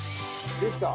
できた？